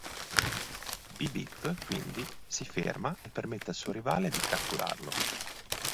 Beep Beep quindi si ferma e permette al suo rivale di "catturarlo".